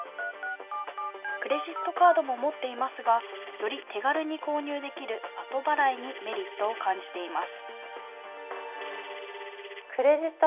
クレジットカードも持っていますが、より手軽に購入できる後払いにメリットを感じています。